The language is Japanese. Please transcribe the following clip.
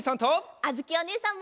あづきおねえさんも。